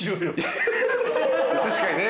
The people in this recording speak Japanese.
確かにね。